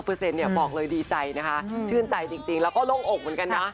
๙๙๙๙เปอร์เส็ตเนี่ยบอกเลยดีใจนะคะชื่นใจจริงแล้วก็โล่งอกเหมือนกันนะ